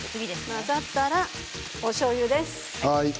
混ざったらおしょうゆです。